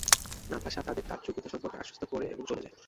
নাতাশা তাদের তার যোগ্যতা সম্পর্কে আশ্বস্ত করে এবং চলে যায়।